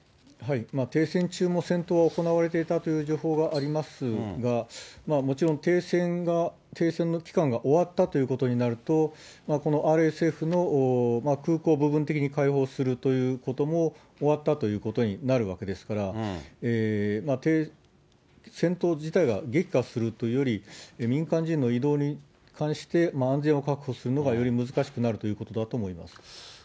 停戦中も戦闘は行われていたという情報がありますが、もちろん停戦の期間が終わったということになると、このＲＳＦの空港を部分的に開放するということも終わったということになるわけですから、戦闘自体が激化するというより、民間人の移動に関して安全を確保するのがより難しくなるということだと思います。